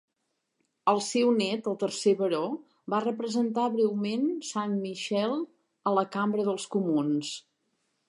El seu net, el tercer baró, va representar breument Saint Michael a la Cambra dels Comuns.